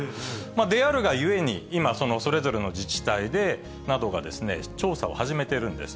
であるがゆえに、今、それぞれの自治体などが調査を始めてるんです。